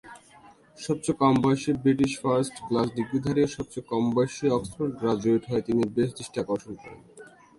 সবচেয়ে কমবয়সী British first class ডিগ্রিধারী ও সবচেয়ে কমবয়সী অক্সফোর্ড গ্র্যাজুয়েট হয়ে তিনি বেশ দৃষ্টি আকর্ষণ করেন।